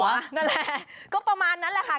นั่นแหละก็ประมาณนั้นแหละค่ะ